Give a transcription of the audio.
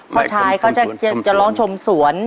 พ่อชายก็จะร้องชมสวน